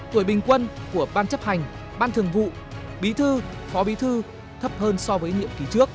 tuổi bình quân của ban chấp hành ban thường vụ bí thư phó bí thư thấp hơn so với nhiệm kỳ trước